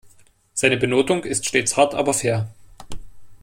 Seine Benotung ist stets hart aber fair.